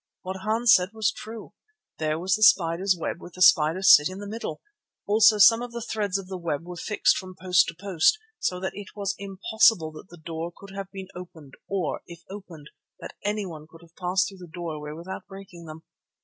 What Hans said was true. There was the spider's web with the spider sitting in the middle. Also some of the threads of the web were fixed from post to post, so that it was impossible that the door could have been opened or, if opened, that anyone could have passed through the doorway without breaking them.